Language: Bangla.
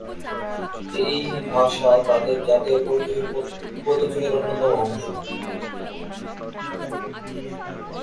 এই ভাষা তাদের জাতীয় পরিচয়ের অন্যতম অংশ।